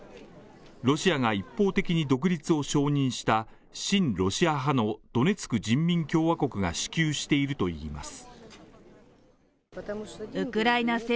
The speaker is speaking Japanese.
ロシアが一方的に独立を承認した親ロシア派のドネツク人民共和国が支給しているといいます。